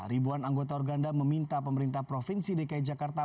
ribuan anggota organda meminta pemerintah provinsi dki jakarta